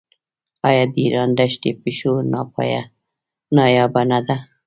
آیا د ایران دښتي پیشو نایابه نه ده؟